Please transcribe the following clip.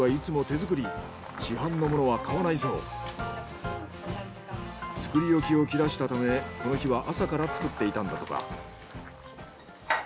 作り置きを切らしたためこの日は朝から作っていたんだとか。